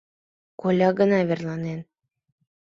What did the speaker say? Коля гына верланен